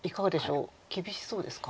厳しそうですか？